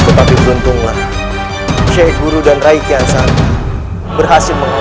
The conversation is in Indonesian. tetapi beruntunglah syekh guru dan rai kiansanta berhasil mengelola